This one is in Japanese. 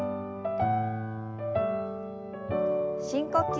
深呼吸。